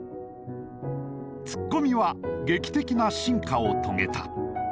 ツッコミは劇的な進化を遂げた。